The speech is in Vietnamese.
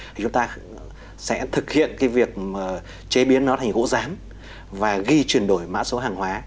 thì chúng ta sẽ thực hiện cái việc chế biến nó thành gỗ rán và ghi chuyển đổi mã số hàng hóa